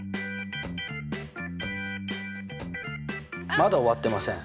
まだ終わってません。